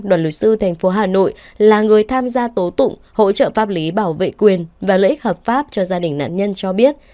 đoàn luật sư thành phố hà nội là người tham gia tố tụng hỗ trợ pháp lý bảo vệ quyền và lợi ích hợp pháp cho gia đình nạn nhân cho biết